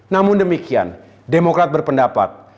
namun demikian demokrat berpendapat